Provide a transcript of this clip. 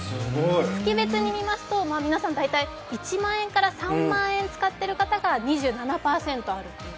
月別に見ますと、皆さん大体１万円から３万円使っている方が２７％いると。